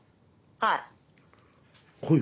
はい。